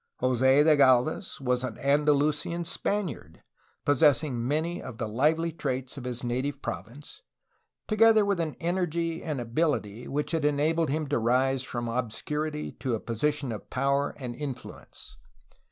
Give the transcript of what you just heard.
Jos6 de Gdlvez was an Andalusian Spaniard, possessing many of the lively traits of his native province, together with an energy and ability which had enabled him to rise from obscurity to a position of power and influence.